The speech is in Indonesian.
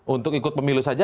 untuk ikut pemilih saja